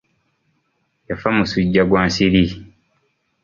Yafa musujja gwa nsiri.